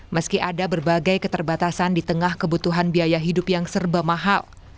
meski ada berbagai keterbatasan di tengah kebutuhan biaya hidup yang serba mahal